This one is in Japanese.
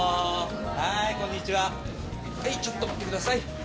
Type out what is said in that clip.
はいちょっと待ってください。